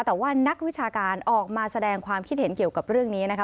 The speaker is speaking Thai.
แต่ว่านักวิชาการออกมาแสดงความคิดเห็นเกี่ยวกับเรื่องนี้นะคะ